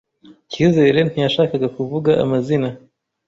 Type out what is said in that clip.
Cyizere ntiyashakaga kuvuga amazina.